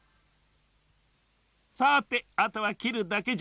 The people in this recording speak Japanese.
さてあとはきるだけじゃ。